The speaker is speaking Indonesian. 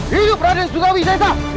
hidup raden sugawi sesa